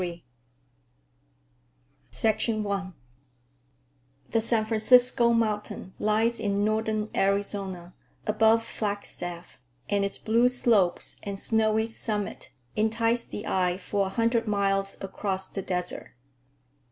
THE ANCIENT PEOPLE I The San Francisco Mountain lies in Northern Arizona, above Flagstaff, and its blue slopes and snowy summit entice the eye for a hundred miles across the desert.